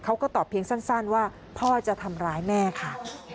เขาก็ตอบเพียงสั้นว่าพ่อจะทำร้ายแม่ค่ะ